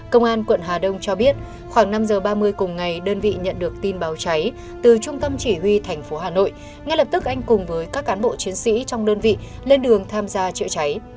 công an quận hà đông cho biết khoảng năm giờ ba mươi cùng ngày đơn vị nhận được tin báo cháy từ trung tâm chỉ huy thành phố hà nội ngay lập tức anh cùng với các cán bộ chiến sĩ trong đơn vị lên đường tham gia chữa cháy